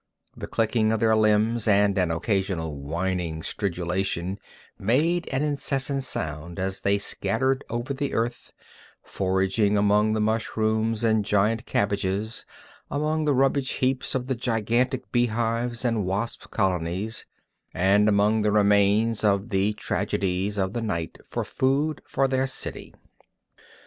The clickings of their limbs and an occasional whining stridulation made an incessant sound as they scattered over the earth, foraging among the mushrooms and giant cabbages, among the rubbish heaps of the gigantic bee hives and wasp colonies, and among the remains of the tragedies of the night for food for their city.